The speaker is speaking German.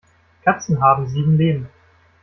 Katzen haben sieben Leben.